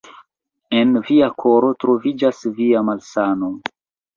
En via koro troviĝas via malsano.